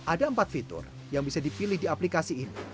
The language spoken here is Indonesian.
ada empat fitur yang bisa dipilih di aplikasi ini